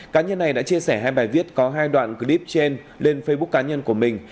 cá nhân này đã chia sẻ hai bài viết có hai đoạn clip trên lên facebook cá nhân của mình